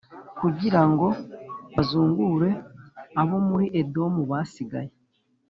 kugira ngo bazungure abo muri Edomu basigaye